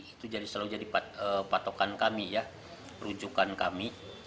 itu selalu jadi patokan kami rujukan kami